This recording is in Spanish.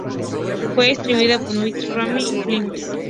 Fue distribuida por Miramax Family Films.